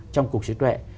trong cục sở hữu trí tuệ